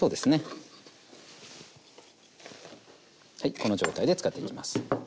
この状態で使っていきます。